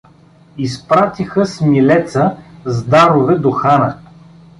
Изпратиха Смилеца с дарове до хана.